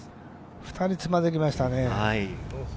２人つまずきましたね。